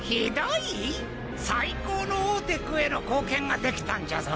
最高のオーテックへの貢献ができたんじゃぞ？